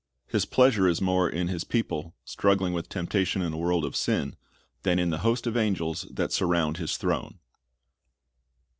His pleasure is more in His people, struggling witli temptation in a world of sin, than in the host of angels that surround His throne.